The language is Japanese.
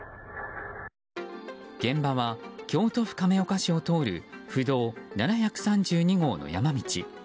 現場は京都府亀岡市を通る府道７３２号の山道。